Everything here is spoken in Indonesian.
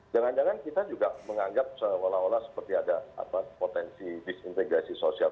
jangan jangan kita juga menganggap seolah olah seperti ada potensi disintegrasi sosial